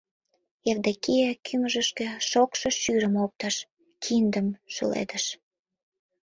Евдокия кӱмыжышкӧ шокшо шӱрым оптыш, киндым шуледыш.